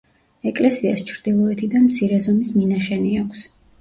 ეკლესიას ჩრდილოეთიდან მცირე ზომის მინაშენი აქვს.